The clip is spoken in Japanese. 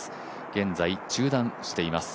現在中断しています。